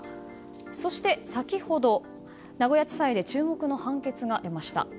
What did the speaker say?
そして、先ほど名古屋地裁で注目の判決が出ました。